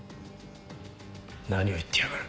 何を言ってやがる。